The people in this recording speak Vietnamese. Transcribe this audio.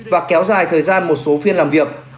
và kéo dài thời gian một số phiên làm việc